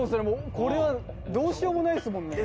これはどうしようもないっすもんねえ